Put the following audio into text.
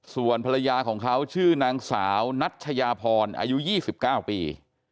ส่วนภรรยาของเขาชื่อนางสาวนัชยาพรอายุ๒๙ปี